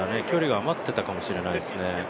距離が余ってたかもしれないですね。